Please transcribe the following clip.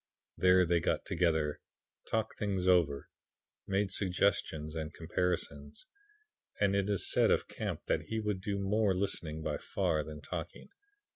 There they got together, talked things over, made suggestions and comparisons. And it is said of Camp that he would do more listening by far than talking.